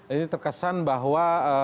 ini terkesan bahwa